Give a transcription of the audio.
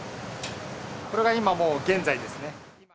これが今もう現在ですね。